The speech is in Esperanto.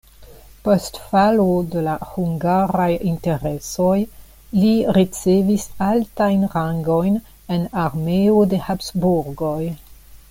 Post falo de la hungaraj interesoj li ricevis altajn rangojn en armeo de Habsburgoj.